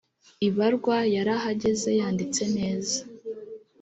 ibarwa yarahageze yanditse neza